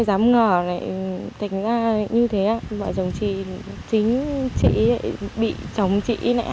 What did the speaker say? trong lúc này trong lúc này